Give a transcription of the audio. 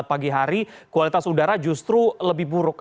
pagi hari kualitas udara justru lebih buruk